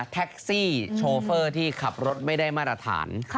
แท็กซี่โชเฟอร์ที่ขับรถไม่ได้มาตรฐาน